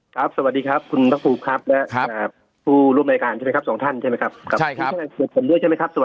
ครับสวัสดีครับคุณพระภูมิครับและผู้ร่วมรายการใช่ไหมครับสองท่านใช่ไหมครับ